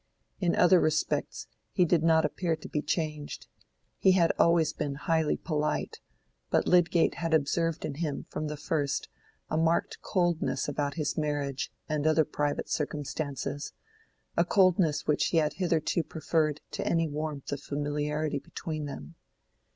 In other respects he did not appear to be changed: he had always been highly polite, but Lydgate had observed in him from the first a marked coldness about his marriage and other private circumstances, a coldness which he had hitherto preferred to any warmth of familiarity between them.